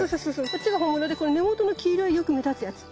こっちが本物でこの根元の黄色いよく目立つやつ